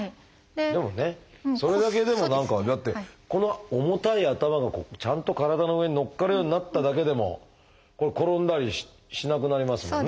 でもねそれだけでも何かだってこの重たい頭がちゃんと体の上にのっかるようになっただけでも転んだりしなくなりますもんね。